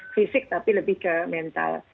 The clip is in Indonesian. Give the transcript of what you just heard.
fisik tapi lebih ke mental